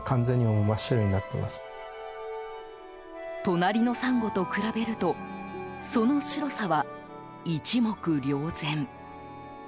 隣のサンゴと比べるとその白さは一目瞭然。